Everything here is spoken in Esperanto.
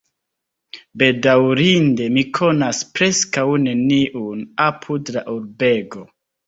Bedaŭrinde, mi konas preskaŭ neniun apud la urbego.